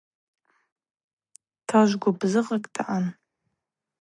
Тажв гвыбзыгъакӏ даъан.